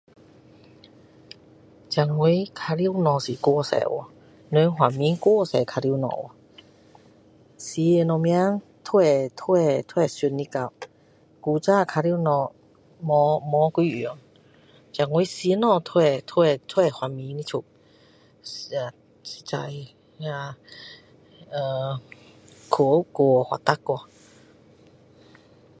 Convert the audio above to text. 现今玩具实在太多了人发明太多玩具什么都都都想得到以前的玩具没有几样现今什么都都都发明的出实在啊科学太发达了